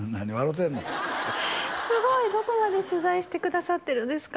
てんのすごいどこまで取材してくださってるんですか？